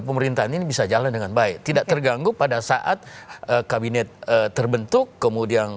pemerintahan ini bisa jalan dengan baik tidak terganggu pada saat kabinet terbentuk kemudian